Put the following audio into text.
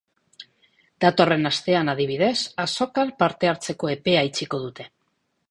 Datorren astean, adibidez, azokan parte hartzeko epea itxiko dute.